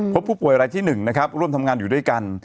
พบผู้ป่วยรายที่๑นะครับร่วมทำงานอยู่ด้วยกัน